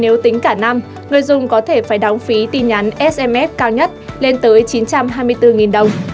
nếu tính cả năm người dùng có thể phải đóng phí tin nhắn sms cao nhất lên tới chín trăm hai mươi bốn đồng